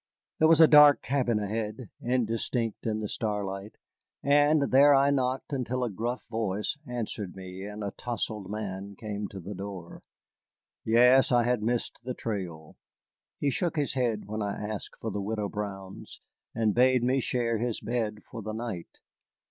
There was a dark cabin ahead, indistinct in the starlight, and there I knocked until a gruff voice answered me and a tousled man came to the door. Yes, I had missed the trail. He shook his head when I asked for the Widow Brown's, and bade me share his bed for the night.